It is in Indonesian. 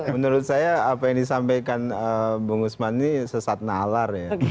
menurut saya apa yang disampaikan bung usman ini sesat nalar ya